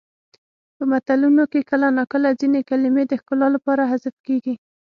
په متلونو کې کله ناکله ځینې کلمې د ښکلا لپاره حذف کیږي